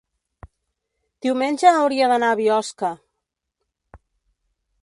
diumenge hauria d'anar a Biosca.